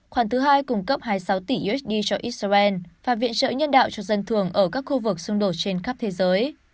khoản thứ hai cung cấp hai mươi sáu tỷ usd cho israel và viện trợ nhân đạo cho dân thường ở các khu vực xung đột trên khắp thế giới